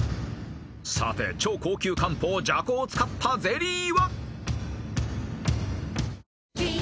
［さて超高級漢方麝香を使ったゼリーは？］